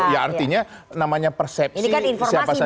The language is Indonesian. ya artinya namanya persepsi siapa saja